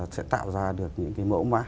sẽ tạo ra được những cái mẫu mã